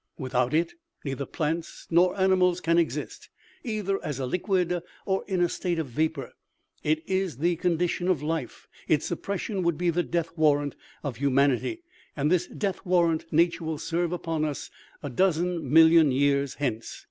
Without it, neither plants nor animals can exist. Either as a liquid, or in a state of vapor, it is the condition of life. Its suppression would be the death warrant of human it}', and this death warrant nature will serve upon us a dozen million years hence.